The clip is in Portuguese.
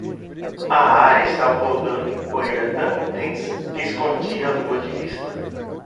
A área estava rodando em poeira tão intensa que escondia a lua de vista.